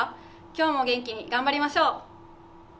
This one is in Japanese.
今日も元気に頑張りましょう。